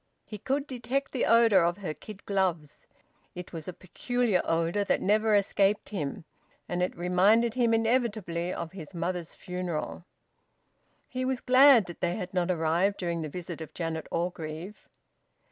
He could detect the odour of her kid gloves; it was a peculiar odour that never escaped him, and it reminded him inevitably of his mother's funeral. He was glad that they had not arrived during the visit of Janet Orgreave.